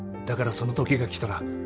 だからその時が来たら